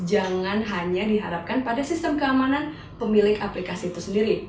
jangan hanya diharapkan pada sistem keamanan pemilik aplikasi itu sendiri